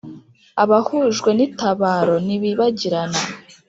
abahujwe n'itabaro ntibibagirana,